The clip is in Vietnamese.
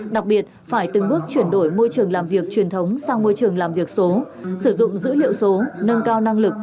đặc biệt phải từng bước chuyển đổi môi trường làm việc truyền thống sang môi trường làm việc số sử dụng dữ liệu số nâng cao năng lực